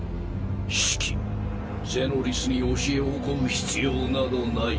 シキゼノリスに教えを請う必要などない。